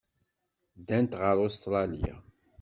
Ddant ɣer Ustṛalya.